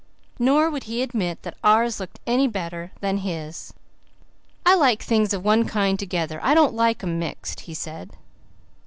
Nor would he admit that ours looked any better than his. "I like things of one kind together. I don't like them mixed," he said.